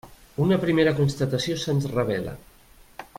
Una primera constatació se'ns revela.